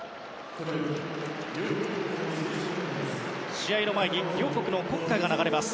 試合の前に両国の国歌が流れます。